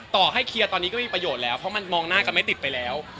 ต่อให้เคลียร์ตอนนี้ก็มีประโยชน์แล้วเพราะมันมองหน้ากันไม่ติดไปแล้ว